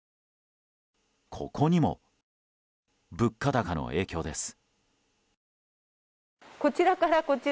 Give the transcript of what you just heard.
ここにも物価高の影響です。